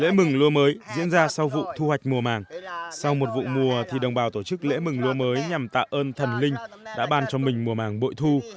lễ mừng lúa mới diễn ra sau vụ thu hoạch mùa màng sau một vụ mùa thì đồng bào tổ chức lễ mừng lúa mới nhằm tạ ơn thần linh đã bàn cho mình mùa màng bội thu